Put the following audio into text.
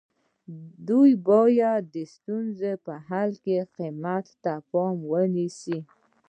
دوی باید د ستونزو په حل کې قیمت په پام کې ونیسي.